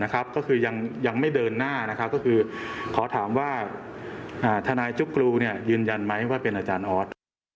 ก็คือยังไม่เดินหน้าก็คือขอถามว่าทนายจุ๊กกรูยืนยันไหมว่าเป็นอาจารย์ออส